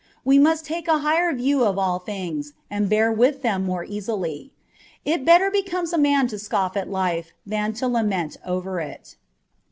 We must take a higher view of all things, and bear with them more easily : it better becomes a man to scoff at life than to lament over it.